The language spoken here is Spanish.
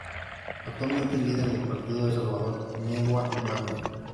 Actualmente, el líder del partido es Salvador Nguema Mangue.